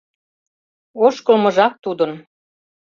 Ошкылмыжак тудын.